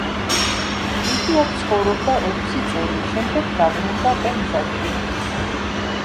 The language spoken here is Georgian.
იგი აქ ცხოვრობდა ექვსი წელი, შემდეგ დაბრუნდა პენზაში.